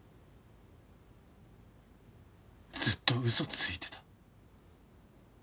ずっと嘘ついてた。